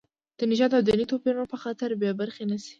د نژادي او دیني توپیرونو په خاطر بې برخې نه شي.